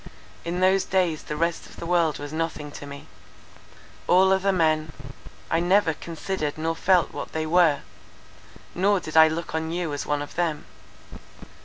In those days the rest of the world was nothing to me: all other men—I never considered nor felt what they were; nor did I look on you as one of them.